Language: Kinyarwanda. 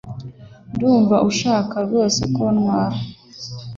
Ndumva udashaka rwose ko ntwara